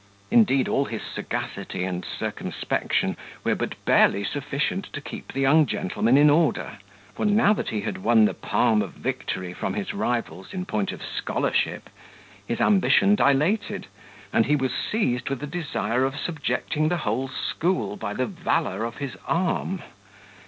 Indeed all his sagacity and circumspection were but barely sufficient to keep the young gentleman in order; for now that he had won the palm of victory from his rivals in point of scholarship, his ambition dilated, and he was seized with the desire of subjecting the whole school by the valour of his arm.